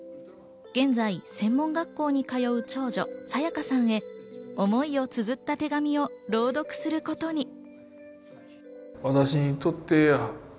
現在、専門学校に通う長女・沙華さんへ思いをつづった手紙を朗読することに。